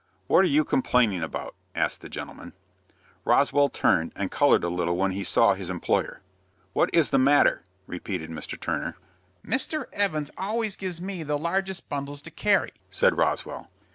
"What are you complaining about?" asked that gentleman. Roswell turned, and colored a little when he saw his employer. "What is the matter?" repeated Mr. Turner. "Mr. Evans always gives me the largest bundles to carry," said Roswell.